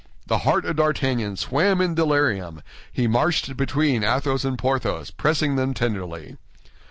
The heart of D'Artagnan swam in delirium; he marched between Athos and Porthos, pressing them tenderly.